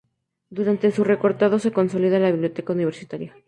Durante su rectorado se consolida la biblioteca universitaria.